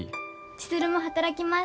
千鶴も働きます。